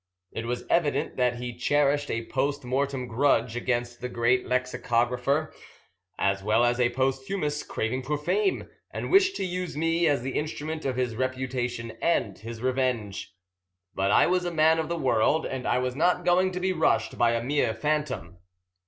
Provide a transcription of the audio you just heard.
It was evident that he cherished a post mortem grudge against the great lexicographer, as well as a posthumous craving for fame, and wished to use me as the instrument of his reputation and his revenge. But I was a man of the world, and I was not going to be rushed by a mere phantom.